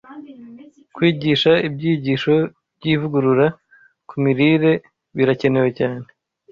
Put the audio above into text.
Kwigisha ibyigisho by’ivugurura ku mirire birakenewe cyane.